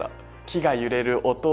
木が揺れる音